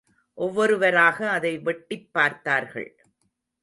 ஒவ்வொருவராக அதை வெட்டிப் பார்த்தார்கள்.